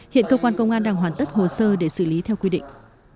hiện cơ quan công an đang hoàn tất hồ sơ để xử lý theo quy định